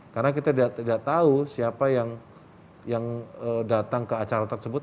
karena kita tidak tahu siapa yang datang ke acara tersebut